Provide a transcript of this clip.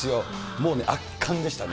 もうね、圧巻でしたね。